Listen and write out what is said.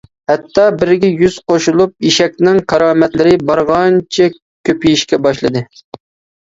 ھەتتا بىرگە يۈز قوشۇلۇپ ئېشەكنىڭ كارامەتلىرى بارغانچە كۆپىيىشكە باشلىدى.